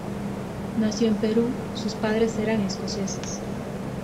Nació en Perú, sus padres eran escoceses.